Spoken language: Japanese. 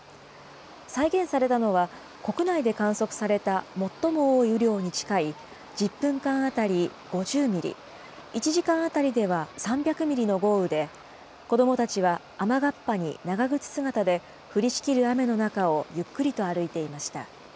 再現されたのは、国内で観測された最も多い雨量に近い１０分間当たり５０ミリ、１時間当たりでは３００ミリの豪雨で、子どもたちは雨合羽に長靴姿で、降りしきる雨の中をゆっくりと歩いていました。